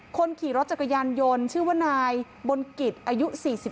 คนขี่รถจักรยานยนต์ชื่อว่านายบนกิจอายุ๔๒